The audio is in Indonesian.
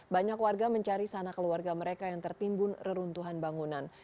banyak warga mencari sana keluarga mereka yang tertimbun reruntuhan bangunan